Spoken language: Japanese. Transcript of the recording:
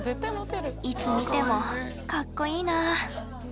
いつ見てもかっこいいな。